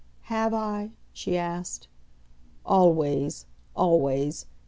"Have I?" she asked. "Always, always.